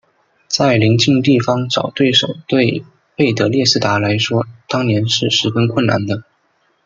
在邻近地方找对手对费德列斯达来说当年是十分困难的。